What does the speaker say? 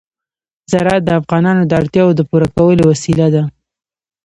زراعت د افغانانو د اړتیاوو د پوره کولو وسیله ده.